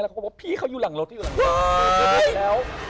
เขาก็บอกว่าพี่เขาอยู่หลังรถอยู่หลังรถ